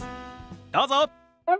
どうぞ！